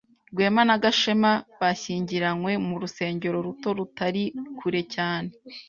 Rwema na Gashema bashyingiranywe mu rusengero ruto rutari kure cyane.